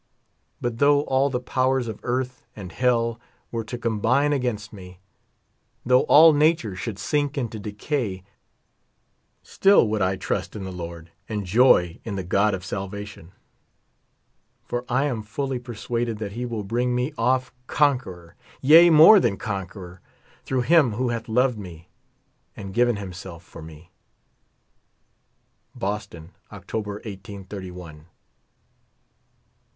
But though all the powers of earth and hell were to combine against me, though all nature should sink into decay, still would I trust in the Lord, and joy in the God of salvation. For I am fully persuaded that he will bring me off conqueror ; yea, more than conqueror, through him who hath loved me and given himself for me. Boston, October, 183 L MEDITATIONS.